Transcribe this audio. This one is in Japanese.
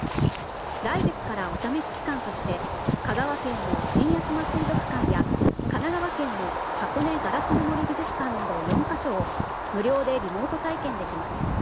来月からお試し期間として香川県の新屋島水族館や神奈川県の箱根ガラスの森美術館など４か所を無料でリモート体験できます。